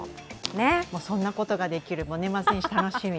そんなことができる、年末年始、楽しみ。